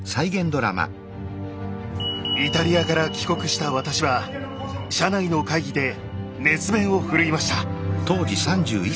イタリアから帰国した私は社内の会議で熱弁を振るいました。